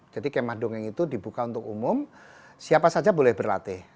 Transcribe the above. jadi kemah dongeng itu dibuka untuk umum siapa saja boleh berlatih